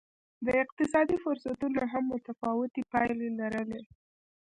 د اقتصادي فرصتونو هم متفاوتې پایلې لرلې.